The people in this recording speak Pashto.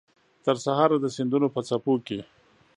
ترسهاره د سیندونو په څپو کې